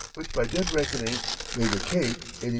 which by dead reckoning made the cape 81° 1´.